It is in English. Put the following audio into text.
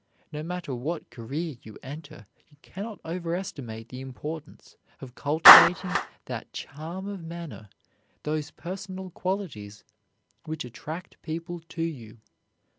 No matter what career you enter, you can not overestimate the importance of cultivating that charm of manner, those personal qualities, which attract people to you.